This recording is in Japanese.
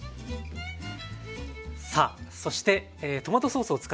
さあそしてトマトソースを使ったもう１品